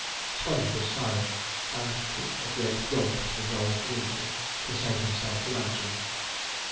Sponge was silent, and took a great gulp of the dull 'Wintle,' to save himself from answering.